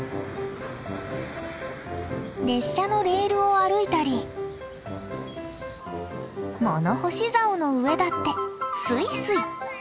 列車のレールを歩いたり物干しざおの上だってすいすい。